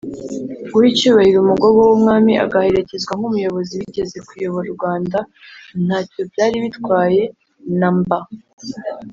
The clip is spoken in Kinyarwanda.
Guha icyubahiro umugogo w’umwami agaherekezwa nk’umuyobozi wigeze kuyobora u Rwanda ntacyo byari bitwaye na mba